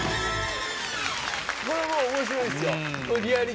これも面白いですよ。